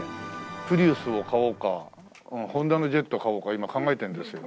プリウスを買おうかＨｏｎｄａのジェットを買おうか今考えてるんですよ